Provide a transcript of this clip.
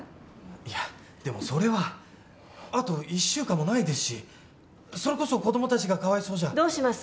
いやでもそれはあと一週間もないですしそれこそ子供達がかわいそうじゃどうします？